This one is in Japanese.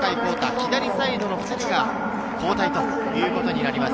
左サイドの２人が交代となります。